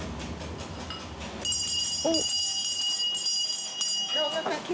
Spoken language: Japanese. おっ。